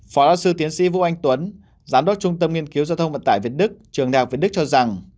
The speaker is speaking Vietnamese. phó giáo sư tiến sĩ vũ anh tuấn giám đốc trung tâm nghiên cứu giao thông vận tải việt đức trường đại học việt đức cho rằng